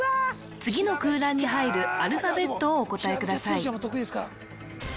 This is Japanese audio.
次の空欄に入るアルファベットをお答えください